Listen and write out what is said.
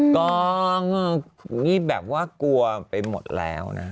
กองนี่แบบว่ากลัวไปหมดแล้วนะ